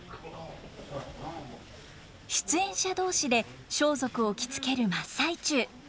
出演者同士で装束を着付ける真っ最中。